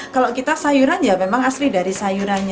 kalau kita sayuran ya memang asli dari sayurannya